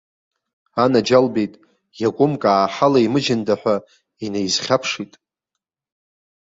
Анаџьалбеит, иакәымк ааҳалаимыжьында ҳәа инаизхьаԥшит.